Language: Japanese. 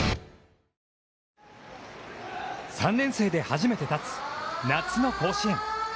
３年生で初めて立つ、夏の甲子園。